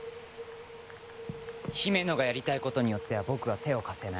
ヒメノがやりたいことによっては僕は手を貸せない。